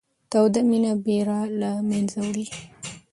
توده مینه بېره له منځه وړي